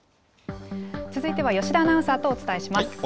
続いては吉田アナウンサーとお伝えします。